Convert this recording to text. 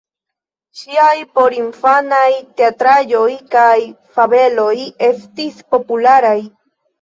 Ŝiaj porinfanaj teatraĵoj kaj fabeloj estis popularaj.